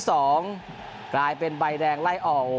ถ้าเรือกลายเป็นใบแดงไล่ออก